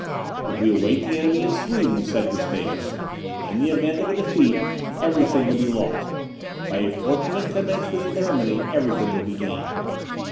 "If we await the enemy in Sweden," said Gustavus, "in the event of a defeat every thing would be lost, by a fortunate commencement in Germany everything would be gained.